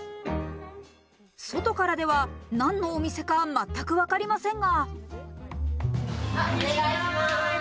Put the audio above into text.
外からでは何のお店か全くわかりませんが。